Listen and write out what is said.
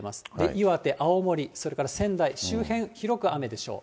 岩手、青森、それから仙台、周辺広く雨でしょう。